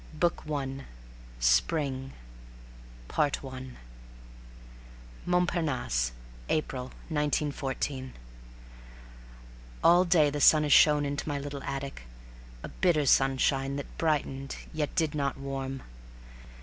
BOOK ONE ~~ SPRING I Montparnasse, April 1914. All day the sun has shone into my little attic, a bitter sunshine that brightened yet did not warm.